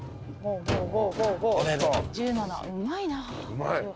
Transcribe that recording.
１７うまいな。